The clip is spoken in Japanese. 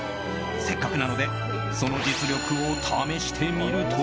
せっかくなのでその実力を試してみると。